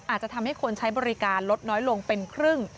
อาจจะทำให้คนใช้บริการลดน้อยลงเป็นครึ่ง